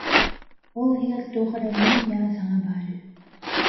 Ол иһигэр туох эрэ ньуу-ньаа саҥа баар үһү